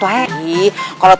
iroh baru ditemuiability